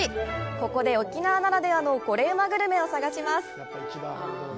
ここで沖縄ならではのコレうまグルメを探します。